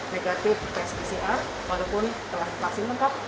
tetap berhasil mencapai aturan yang baru